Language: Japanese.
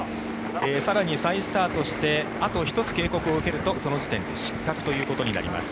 更に再スタートしてあと１つ警告を受けるとその時点で失格ということになります。